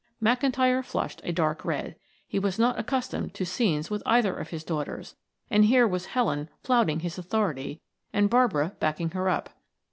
McIntyre flushed a dark red; he was not accustomed to scenes with either of his daughters, and here was Helen flouting his authority and Barbara backing her up.